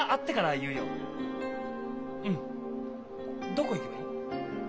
どこ行けばいい？